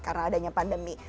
karena adanya pandemi